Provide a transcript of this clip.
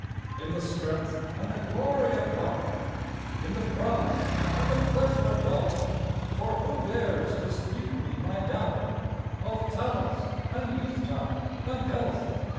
In the strength and the glory of power, In the pride and the pleasure of wealth (For who dares dispute me my dower Of talents and youth time and health?)